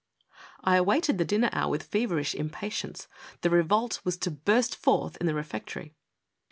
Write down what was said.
I awaited the dinner hour with feverish impatience. The revolt was to burst forth in the refectory.